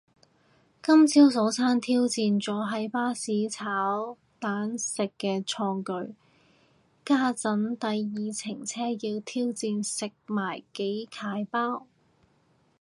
今朝早餐挑戰咗喺巴士炒蛋食嘅創舉，家陣第二程車要挑戰食埋幾楷包